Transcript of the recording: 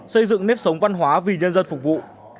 xây dựng nếp sống văn hóa vì nhân dân phục vụ